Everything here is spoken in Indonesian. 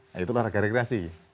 nah itu olahraga rekreasi